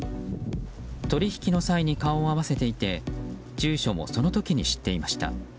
取り引きの際に顔を合わせていて住所もその時に知っていました。